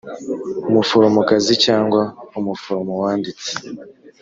umuforomokazi cyangwa umuforomo wanditse